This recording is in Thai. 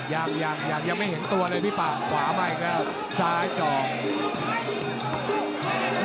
ยังยังยังไม่เห็นตัวเลยพี่ป่าขวามาอีกแล้วซ้ายเจาะ